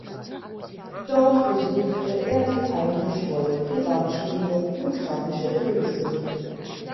Dort besuchte er die Heinrich-Wolff-Privatschule für grafische Künste.